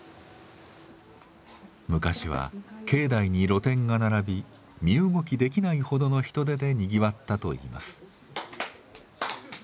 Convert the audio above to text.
昔は境内に露店が並び身動きできないほどの人出でにぎわったといいます。